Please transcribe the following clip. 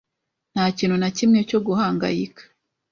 Ntakintu nakimwe cyo guhangayika.